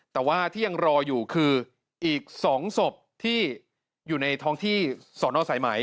แต่ว่าที่ยังรออยู่คืออีก๒ศพที่อยู่ในท้องที่สอนอสายไหม